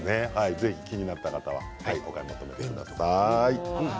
ぜひ気になった方はお買い求めください。